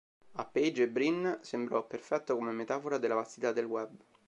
A Page e Brin sembrò perfetto come metafora della vastità del web.